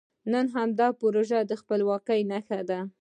نن همدا پروژه د خپلواکۍ نښه ده.